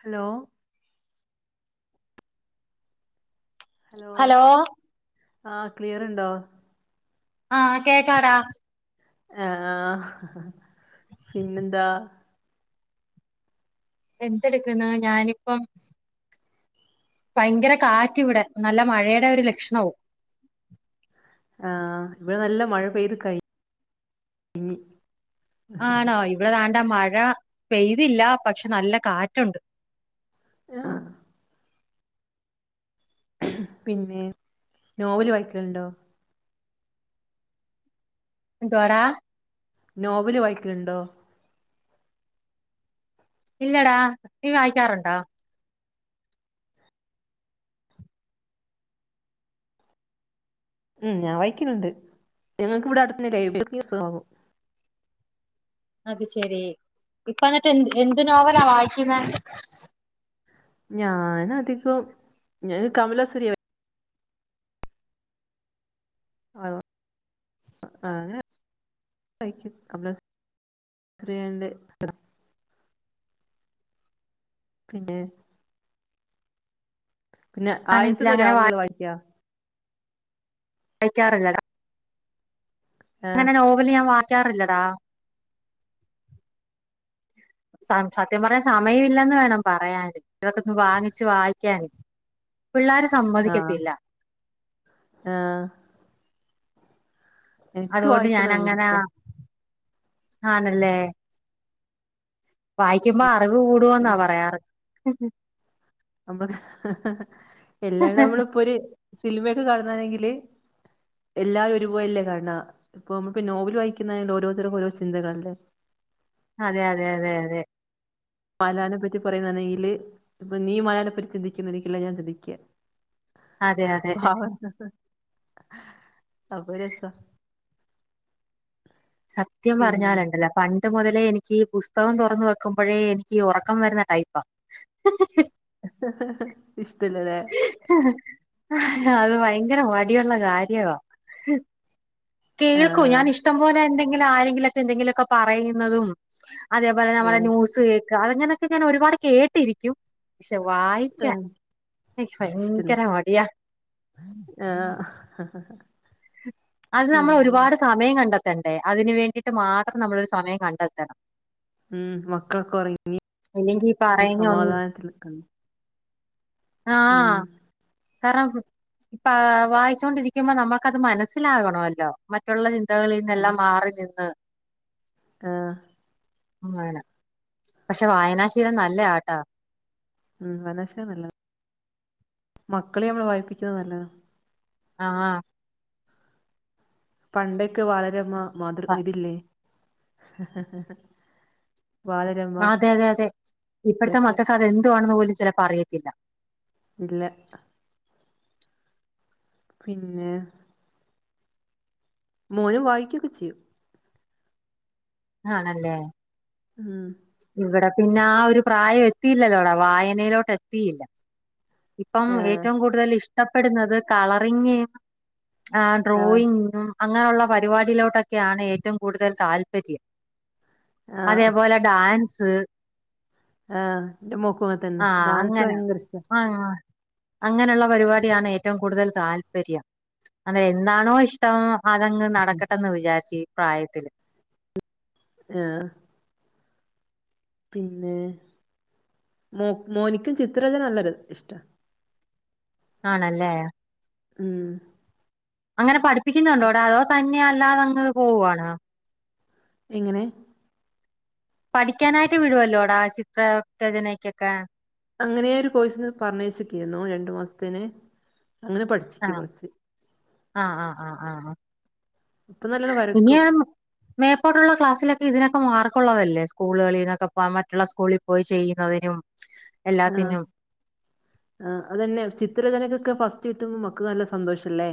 hello hello ആ ക്ലിയർണ്ടോ ആഹ് കേക്കാടാ ആഹ് അഹ്‌ പിന്നെന്താ എന്തെടുക്കുന്നു ഞാനിപ്പം ഭയങ്കര കാറ്റ് ഇവിടെ നല്ല മഴയുടെ ഒരു ലക്ഷണവും ആഹ് ഇവടെ നല്ല മഴ പെയ്ത് കഴി ഞ്ഞ് ആണോ ഇവിടെ താണ്ട മഴ പെയ്തില്ല പക്ഷെ നല്ല കാറ്റുണ്ട് ആഹ പിന്നെ നോവല് വായിക്കൽണ്ടോ ന്ധോടാ നോവല് വായിക്കലുണ്ടോ ഇല്ലടാ നീ വായിക്കാറുണ്ടോ ഉം ഞാൻ വായിക്കലുണ്ട് ഞങ്ങക്ക് ഇവിടെ അടുത് ലൈബ്രി ഉണ്ട് അത് ശെരി ഇപ്പ എന്നിട്ട് എന്ത് എന്ത് നോവലാ വായിക്കുന്നെ ഞാനധികം ഞ കമലസുരിയ്യ ആവോ ആഹ് അങ്ങനെ വായിക്കും കമ്മ്ലസുരയ്യന്റെ [unintelligible] പിന്നെ പിന്നെ ആണെങ്കിൽ ആയതിന്ന് അങ്ങനെ രാവുകൾ വായിക്ക വായിക്കാറില്ലടാ ആഹ് അങ്ങനെ നോവല് ഞാൻ വായിക്കാറില്ലടാ സസത്യം പറഞ്ഞൻ സമയം ഇല്ലേന്ന് വേണം പറയാന് ഇതൊക്കെ ഒന്ന് വാങ്ങിച്ച് വായിക്കാൻ പിള്ളേര് സമ്മതിക്കത്തില്ല അഹ്‌ എനിക്ക് അതുകൊണ്ട് ഞാൻ വായിക്കുന്നത് ഭയങ്കര അങ്ങനെ ഇഷ്ട ആണ്ല്ലേ വായിക്കുമ്പോ അറിവ് കൂടു വെന്നാ പറയാറ് നമ്മള് ഹ്‌ഹ്എല്ലാടവും നമ്മള ഇപ്പോര് സിനിമയൊക്കെ കാണന്നാണെങ്കില് എല്ലാരും ഒരുപോലയല്ലേ കാണ ഇപ്പൊ നോവൽ വായിക്കുന്നുള്ള ഓരോരുത്തർക്കും ഓരോ ചിന്തകളല്ലെ അതെ അതെ അതെ അതെ മലാനെ പറ്റി പറയുന്നാണെങ്കില് ഇപ്പൊ നീ മലാനെപ്പറ്റി ചിന്തിക്കുന്നരിക്കില്ല ഞാൻ ചിന്തിക്ക അതെ അതെ അവത്ത് അപ്പാരു രസ സത്യം പറഞ്ഞാല്ണ്ടല്ല പണ്ട് മുതലേ എനിക്ക് പുസ്തകം തുറന്ന വെക്കുമ്പോഴേ എനിക്ക് ഉറക്കം വരുന്ന ടൈപ്പാ ഹ്‌ഹ് ഹ്ഇഷ്ടെല്ലല്ലേ ഹ്‌ ഹ് ഹ്അത് ഭയങ്കര മടിയുള്ള കാര്യവാ കേൾക്കൂ ആഹ് ഞാൻ ഇഷ്ടം പോലെ എന്തെങ്കിലും ആരെങ്കിലുംക്കെ എന്തെങ്കിലുമൊക്കെ പറയുന്നതും അതേപോലെ നമ്മുടെ ഏഹ് ന്യൂസ് കേക്ക അതങ്ങനൊക്കെ ഞാൻ ഒരുപാട് കേട്ടിരി ക്കും പക്ഷെ വായിക്ക ഏഹ് എനിക്ക് ഭയങ്കര മടിയാ ആഹ ഹ ഹ അത് നമ്മൾ ഒരുപാട് സമയം കണ്ടെത്തണ്ടേ അതിന് വേണ്ടിയിട്ട് മാത്രം നമ്മൾരു സമയം കണ്ടെത്തണം ഉം മക്കൾക്കെ ഒറങ്ങി ഇല്ലെങ്കി ഈ പറയുന്ന ഒന്ന് സമാധാനത്ത്നിക്കണം ആഹ് കാരണം പാ വായിച്ചൊണ്ടിരിക്കുമ്പോ നമ്മുക്കത് മനസ് മനസ്സിലാകണല്ലോ മറ്റുള്ള ചിന്തകളിൽ നിന്നെല്ലാം മാറി നിന്ന് ആഹ മണം പക്ഷെ വായനാശീലം നല്ലയാട്ടോ ഉം വയനാശീലം നല്ലതാ മക്കളെ നമ്മള് വായിപ്പിക്ക്‌ന്നത് നല്ലതാ ആഹ് ആഹ് പണ്ടൊക്കെ ബാലരമ മാതൃക് ഇതില്ലേ ബാലരം അതെ അതെ അതെ ഇപ്പോഴത്തെ മക്കക്കതെന്തുവാണെന്ന് പോലും ചെലപ്പം അറിയത്തില്ല ഇല്ല പിന്നെ മോനും വായിക്കൊക്കെ ചെയ്യും ആണല്ലേ ഉം ഇവിടെ പിന്നെ ആ ഒരു പ്രായം എത്തിയില്ലല്ലോടാ വായനേലോട്ടെത്തിയില്ല ഇപ്പം ആഹ് ഏറ്റവും കൂടുതൽ ഇഷ്ടപ്പെടുന്നത് കളറിങ്ങ് ആഹ് ഡ്രോയിങ്ങും അങ്ങനൊള്ള പരിപാടിയിലോട്ടൊക്കെയാണ് ഏറ്റോം കൂടുതൽ താല്പര്യം ആഹ് അതേപോലെ ഡാൻസ് ആഹ് എന്റെ മോക്കും അങ്ങൻതന്നെ ആഹ് ഡാൻസ് ഭയങ്കര ഇഷ്ടാ ആഹ് അങ്ങനൊള്ള പരിപാടിയാണ് ഏറ്റോം കൂടുതൽ താല്പര്യം അത് എന്താണോ ഇഷ് ടം അതങ്ങ് നടക്കട്ടന്ന് വിചാരിച്ച് ഈ പ്രായത്തില് ആഹ് പിന്നെ മോ മോനിക്ക് ചിത്രരചന നല്ലൊരു ഇഷ്ടാ ആണല്ലേ ഉം അങ്ങനെ പഠിപ്പിക്കുന്നുണ്ടോടാ അതോ തന്നെ അല്ലാതങ്ങ് പോവാണോ എങ്ങനെ പഠിക്കാനായിട്ട് വിടുവല്ലോടാ ചിത്രാ രചനക്കക്കെ അങ്ങനെ ഒരു കോഴസ്ന്ന് പറഞ്ഞയ്ച്ചിക്കിരുന്നു രണ്ടു മാസത്തിന് അങ്ങനെ പഠിച്ച് ആഹ് ആഹ് ആഹ് ആഹ് ആഹ് ആഹ് ഇപ്പൊ നല്ലോണം വരക്കും ഇനിയാം മേപ്പൊട്ടുള്ള ക്ലാസിലക്കെ ഇതിനക്കെ മാർക്കുള്ളതല്ലേ സ്കൂളുകളിന്നൊക്കെ പോം മറ്റുള്ള സ്കൂളി പോയി ചെയ്യുന്നതിനും ആഹ് എല്ലാത്തിനും ആഹ് അതന്നെ ചിത്രരചനകക്കെ ഫസ്റ്റ് കിട്ടുമ്പം മക്കക്ക് നല്ല സന്തോഷല്ലേ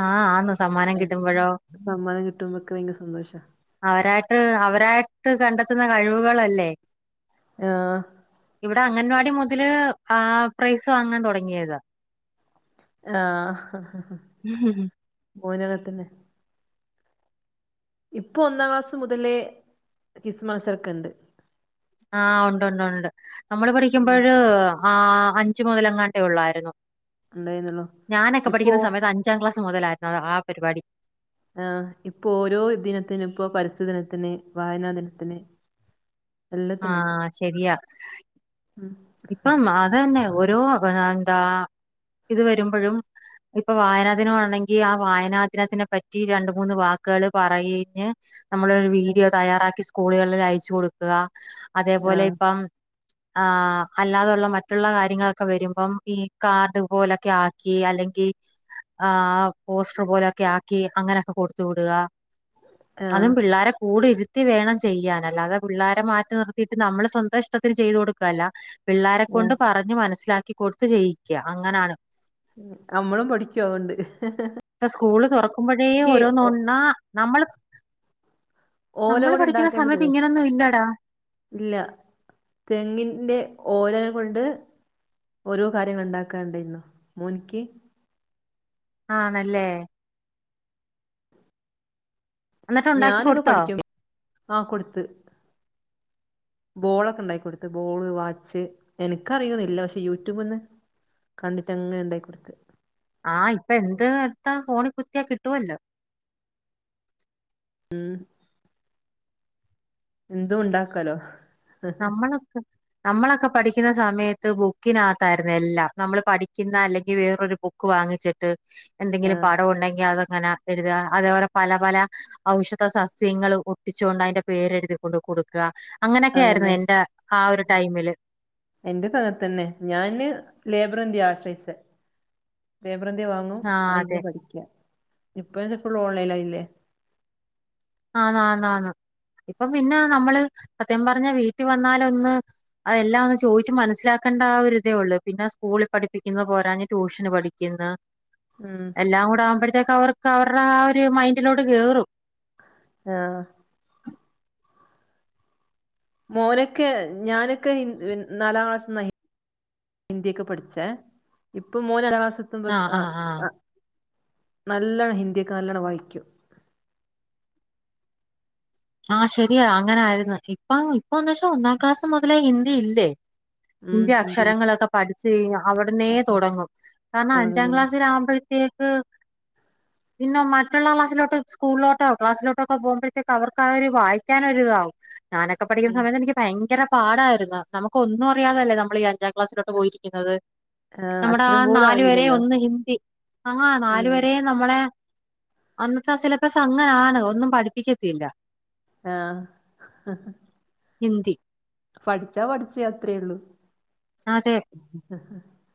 ആഹ് ആന്ന് സമ്മാനം ഏഹ് കിട്ടുമ്പോഴോ സമ്മാനം കിട്ടുമ്പോക്കെ ഭയങ്കര സന്തോഷാ അവരായിട്ട് അവരായിട്ട് കണ്ടെത്തുന്ന കഴിവുകളല്ലെ ആഹ് ഇവിടെ അംഗൻവാടി മുതല് ആഹ് പ്രൈസ് വാങ്ങാൻ തൊടങ്ങിയതാ ആഹ് ഉം ഉംം മോനും അങ്ങൻ തന്നെ ഇപ്പൊ ഒന്നാം ക്ലാസ് മുതലേ കിസ്സ് മത്സരക്കെണ്ട് ആഹ് ഒണ്ട് ഒണ്ട് ഒണ്ട് നമ്മള് ഉം പഠിക്കുമ്പോഴ് ആഹ് അഞ്ചു മു മൊതലെങ്ങാണ്ടെ ഒള്ളാരുന്നു ഉണ്ടായിരുന്നല്ലോ ഞാനക്കെ ഇപ്പോ പഠിക്കുന്ന സമയത്ത് അഞ്ചാം ക്ലാസ് മൊതലാരുന്നു ആ പരിപാടി ആഹ് ഇപ്പോരോ ദിനത്തിന് ഇപ്പം പരസ്‌ഥിതി ദിനത്തിന് വായനാ ദിനത്തിന് എല്ലാത്തിനുണ്ട് ആഹ് ശെരിയാ ഉം ഇപ്പംഅതന്നെ ഓരോ എന്താ ഇത് വരുമ്പഴും ഇപ്പൊ വായനാ ദിനം ആണെങ്കി ആ വായനാ ദിനത്തിന് പറ്റി രണ്ടു മൂന്ന് വാക്കുകള് പറയിഞ്ഞ് നമ്മളൊരു വീഡിയോ തയ്യാറാക്കി സ് കൂളുകളിൽ അയച്ച് കൊടുക്കുക അതേപോലെ ആഹ് ഇപ്പം ആഹ് അല്ലാതൊള്ള മറ്റുള്ള കാര്യങ്ങളൊക്കെ വരുമ്പം ഈ കാർഡ് പോലൊക്കെ ആക്കി അല്ലെങ്കി ആഹ് പോസ്റ്ററ് പോലെയൊക്കെ ആക്കി അങ്ങനൊക്കെ കൊടുത്തു വിടുക അതും ആഹ് പിള്ളാരെ കൂടെ ഇരു ത്തി വേണം ചെയ്യാൻ അല്ലാതെ പിള്ളാരെ മാറ്റി നിർത്തിയിട്ട് നമ്മള് സ്വന്തം ഇഷ്ടത്തിന് ചെയ്തു കൊടുക്കുകല്ല പിള്ളാരെ ആഹ് കൊണ്ട് പറഞ്ഞ് മനസ്സിലാക്കി കൊടുത്ത് ചെയ്യിക്കുക അങ്ങനാണ് നമ്മളും പഠിക്കും അതൊണ്ട് [unintelligible] സ്കൂള് തൊറക്കുമ്പഴേ [unintelligible] നമ്മള് ഓല നമ്മള് കൊണ്ട് പഠിക്കുന്ന ഉണ്ടാക്കേണ്ട സമയത്ത് തരോ ഇങ്ങനൊന്നും ഇല്ലടാ ഇല്ല തെങ്ങിന്റെ ഓലകള് കൊണ്ട് ഓരോ കാര്യങ്ങൾ ഉണ്ടാക്കാണ്ടരുന്നു മോനിക്ക് ആണല്ലേ എന്നിട്ട് ഉണ്ടാക്കി ഞാനൊക്കെ കൊടുത്തോ പഠിക്കും ആഹ് കൊടുത്ത് ബോളൊക്കെ ഉണ്ടാക്കി കൊടുത്ത് ബോള് വാച്ച് എനിക്കറിയൊന്നില്ല പക്ഷെ യൂട്യൂബ് നിന്ന് കണ്ടിട്ട് അങ്ങനെ ണ്ടാക്കി കൊടുത്ത് ആഹ് ഇപ്പൊ എന്ത് എടുത്താ ഫോണിൽ കുത്തിയാ കിട്ടുവല്ലോ ഉം എന്തും ഉണ്ടാക്കാലോ നമ്മളൊക്കെ നമ്മളക്കെ പഠിക്കുന്ന സമയത്ത് ബുക്കിനാത്താരുന്നു എല്ലാം നമ്മള് പഠിക്കുന്ന അല്ലെങ്കി വേറൊരു ബുക്ക് ബുക്ക് വാങ്ങിച്ചിട്ട് എന്തെങ്കിലും ആഹ് പടവൊണ്ടെങ്കി അതങ്ങന എഴുതുക അതേപോലെ പല പല ഔഷധസസ്യങ്ങള് ഒട്ടിച്ചോണ്ട് അതിന്റെ പേരെഴുതിക്കൊണ്ട് കൊടുക്കുക അങ്ങനെ ആരുന്നു അതന്നെ എന്റെ ആ ഒരു ടൈമില് എൻ്റേതും അതൊക്കെത്തന്നെ ഞാന് ലേബർ ഇന്ത്യ ആശ്രയിച്ചെ ലേബർ ഇന്ത്യ വാങ്ങും ആ അയിരുന്ന് അതെ പഠിക്ക ഇപ്പൊ ഇത് ഫുള്ള് ഓൺലൈൻ ആയില്ലേ ആന്ന് ആന്ന് ആന്ന് ഇപ്പൊ പിന്നെ നമ്മള് സത്യം പറഞ്ഞാ വീട്ടിൽ വന്നാലൊന്ന് അതെല്ലാം ഒന്ന് ചോയിച്ച് മനസ്സിലാക്കേണ്ട ആ ഒരിതേ ഒള്ള് പിന്നെ സ്കൂളി പഠിപ്പിക്കുന്ന പോരാഞ്ഞ് ട്യൂഷന് പഠിക്കുന്ന് ഉം എല്ലാം കൂടെ ആകുമ്പോഴത്തേക്ക് അവർക്ക് അവരുടെ ആ ഒരു മൈൻഡിലോട്ട് കേറും ആഹ് മോനൊക്കെ ഞാനൊക്കെ ഇ പിൻ നാലാം ക്ലാസ്സ്ന്ന ഇ ഹിന്ദിയൊക്കെ പഠിച്ചെ ഇപ്പൊ മോന് അഞ്ചാം ക്ലാസി എത്തുമ്പം ആഹ് ആഹ് നല്ലവണ്ണം ഹിന്ദിയൊക്കെ നല്ലോണം വായിക്കും ആഹ് ശരിയാ അങ്ങനാരുന്ന് ഇപ്പം ഇപ്പൊന്നു വെച്ചാ ഒന്നാം ക്ലാസ് മുതലേ ഹിന്ദി ഇല്ലേ ഹിന്ദി അക്ഷരങ്ങളക്കെ പഠിച്ച് കഴിഞ്ഞാ അവിടന്നേ തൊടങ്ങും കാരണം അഞ്ചാം തുടങ്ങുന്നുണ്ട് ക്ലാസ്സിലാകുമ്പഴത്തേക്ക് പിന്നെ മറ്റുള്ള ക്ലാസിലോട്ടോ സ്കൂളിലോട്ടോ ക്ലാസിലോട്ടോക്കെ പോകുമ്പോഴത്തേക്ക് അവർ ക്കതൊരു വായിക്കാനൊരിതാവും ഞാനൊക്കെ പഠിക്കുന്ന സമയത്ത് എനിക്ക് ഭയങ്കര പാടാരുന്ന് നമുക്ക് ഒന്നും അറിയാതല്ലേ നമ്മളീ അഞ്ചാം ക്ലാസിലോട്ട് പോയിരി ക്കുന്നത് ആഹ് നമ്മടെ ആ അക്ഷരം പോലും നാലുവരെ അറിയില്ലല്ലോ ഒന്ന് ഹിന്ദി ആഹ് ഉം നാലുവരേ നമ്മളെ അന്നത്തെ ആ സിലബസ് അങ്ങനാണ് ഒന്നും പഠിപ്പിക്കത്തില്ല ആഹ് ഹിന്ദി പഠിച്ചാ പഠിച്ച അത്രേയള്ളൂ ആഹ് അതെ [unintelligible]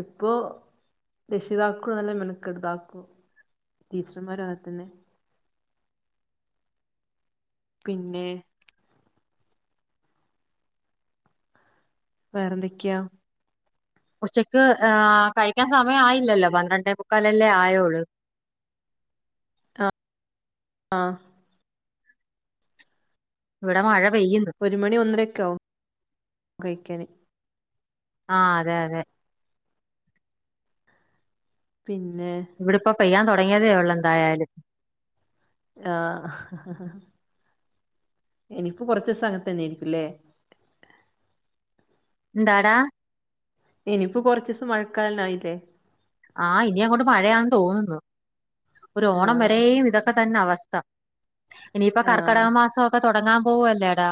ഇപ്പോൊ രക്ഷിതാക്കൂ നല്ല മെണക്കെട്ട് ഇതാക്കൂ ടീച്ചർമാരും അങ്ങനെതന്നെ പിന്നെ വേറെന്തൊക്കെയോ ഉച്ചക്ക് കഴിക്കാൻ സമയം ആയില്ലല്ലോ പന്ത്രണ്ടേ മുക്കാലല്ലേ ആയോളു ആഹ് ആഹ് ഇവിടെ മഴ പെയ്യുന്നു ഒരു മണി ഒന്നരൊക്കെ ആവും കഴിക്കാന് ആഹ് അതെ അതെ പിന്നെ ഇവിടിപ്പ പെയ്യാൻ തുടങ്ങിയതേ ഉള്ളൂ എന്തായാലും ആഹ് ഇനിപ്പോ കുറച്ച് സാനത്ത് തന്നെയിരിക്കും ഇല്ലേ എന്താടാ ഇനിയിപ്പോൊ കുറച്ച ദിവസം മഴക്കാലന്നേ ആയില്ലേ ആഹ് ഇനി അങ്ങോട്ട മഴയാന്ന് തോന്നുന്നു ഒരു ഓണം ആഹ് വരെയും ഇതൊക്കെ തന്നെ അവസ്ഥ ഇനിയിപ്പ ആഹ് കർക്കടക മാസംഒക്കെ തുടങ്ങാൻ പോവുവ അല്ലേടാ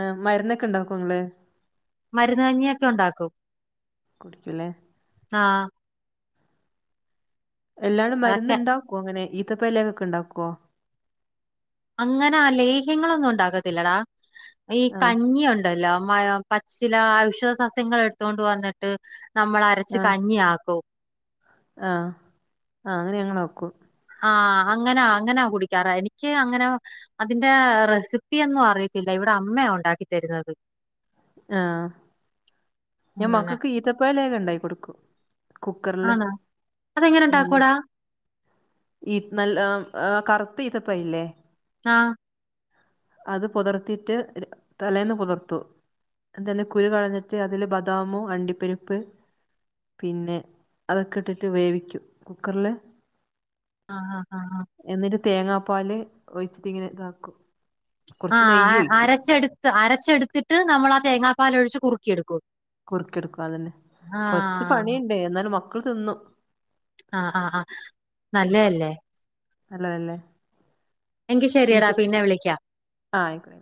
ആഹ് മരുന്നൊക്കെ ഉണ്ടാക്കും നിങ്ങളെ മരുന്നഞ്ഞിയൊക്കെ ഉണ്ടാക്കും കുടിക്കലേ ആഹ് എല്ലാടും അതൊക്കെ മരുന്ന്ണ്ടാക്കുവോ അങ്ങനെ ഈത്തപ്പലേഹക്കെ ഉണ്ടാക്കുവോ അങ്ങനെ ആഹ് ലേഹ്യങ്ങളൊന്നും ഉണ്ടാക്കത്തില്ലടാ ഈ ആഹ് കഞ്ഞിണ്ട് പച്ചില ഔഷദ സസ്യങ്ങ എടുത്തണ്ട് വന്നിട്ട് നമ്മ അരച്ച് ആഹ് കഞ്ഞി ആക്കും ആഹ് ആഹ് അങ്ങനെ ഞങ്ങോക്കും ആഹ് അങ്ങനാ അങ്ങനാ കുടിക്കാറാ എനിക്ക് അങ്ങനെ അതിന്റെ റെസിപ്പിയൊന്നും അറിയത്തില്ല ഇവിടെ അമ്മയ ഉണ്ടാക്കി തരുന്നത് ആഹ് ഞാൻ അങ്ങനെ മക്കൾക്ക് ഈത്തപ്പയ ലേഹ്യം ഉണ്ടായി കൊടുക്കും കുക്കറില് ആണോ അതെങ്ങനെ ഉം ഉണ്ടാക്കൂടാ ഈ നല്ല കറുത്ത് ഈത്തപഴല്ലേ ആഹ് അത് പുതർത്തിയിട്ട് തലേന്ന് പുതർത്തു എന്ത തന്നെ കുരു കളഞ്ഞിട്ട് അതില് ബദാമു അണ്ടിപ്പെരിപ്പ് പിന്നെ അതൊക്കെ ഇട്ടിട്ട് വേവിക്കും കുക്കറില് ആഹ് ആഹ് ആഹ് എന്നിട്ട് തേങ്ങാപ്പാല് ഒഴിച്ചിട്ട ഇങ്ങനെ ഇതാക്കും കുറച്ച് നെയ്യ് ആഹ് ഒഴിക്കും അരച്ചെടുത്ത് അരച്ചെടുത്തിട്ട് നമ്മൾ ആ തേങ്ങാപ്പാല് ഒഴിച്ച് കുറുക്കി എടുക്കും കുറുക്കിടുക്കും അത് തന്നെ കൊറച്ച് പണിയുണ്ട് എന്നാലും മക്കള് തിന്നും ആഹ് ആഹ് ആഹ് നല്ലയല്ലേ നല്ലതല്ലേ എങ്കി ശരിയടാ പിന്നെ വിളിക്കാം ആഹ് ആയിക്കോട്ടേ